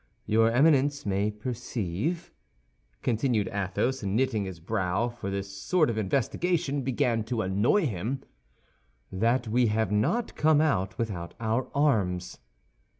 Your Eminence may perceive," continued Athos, knitting his brow, for this sort of investigation began to annoy him, "that we have not come out without our arms."